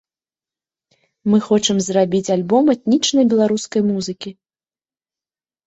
Мы хочам зрабіць альбом этнічнай беларускай музыкі.